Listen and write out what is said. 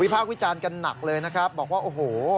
ภาควิจารณ์กันหนักเลยนะครับบอกว่าโอ้โห